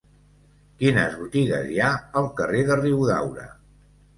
Quines botigues hi ha al carrer de Riudaura?